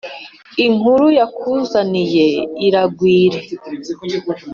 Inkuru yakunzaniye iragwire